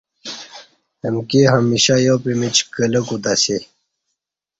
امکی ہمیشہ یا پِیمِیچ کلہ کو تسی